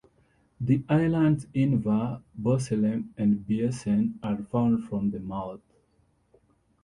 The islands Inver, Borselem, and Biesen are found from the mouth.